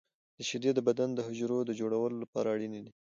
• شیدې د بدن د حجرو د جوړولو لپاره اړینې دي.